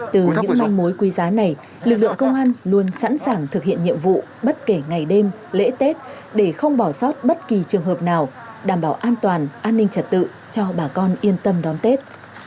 từ những manh mối quý giá này lực lượng công an luôn sẵn sàng thực hiện nhiệm vụ bất kể ngày đêm lễ tết để không bỏ sót bất kỳ trường hợp nào đảm bảo an toàn an ninh trật tự cho bà con yên tâm đón tết